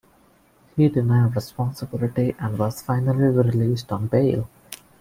He denied responsibility and was finally released on bail.